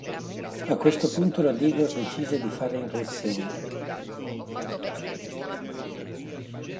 A questo punto la Digos decise di fare irruzione.